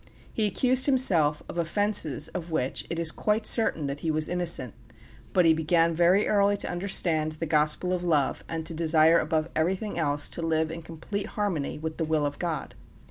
He accused himself of offenses of which it is quite certain that he was innocent; but he began very early to understand the gospel of love and to desire above everything else to live in complete harmony with the will of God.